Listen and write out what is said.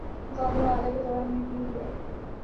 وہ خادم اعلی کے دور میں ہی ہوئے۔